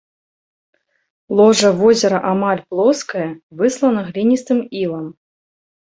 Ложа возера амаль плоскае, выслана гліністым ілам.